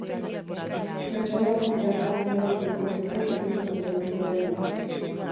Pertsona horrek gaztelaniara itzuliko luke itzulpen automatikoaren bidez.